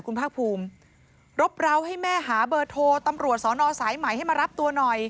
คุณภาคภูมิรบร้าวให้แม่หาเบอร์โทรตำรวจสอนอสายใหม่ให้มารับตัวหน่อย